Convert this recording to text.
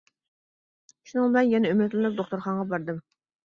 شۇنىڭ بىلەن يەنە ئۈمىدلىنىپ دوختۇرخانىغا باردىم.